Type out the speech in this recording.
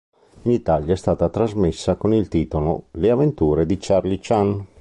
In Italia è stata trasmessa con il titolo "Le avventure di Charlie Chan".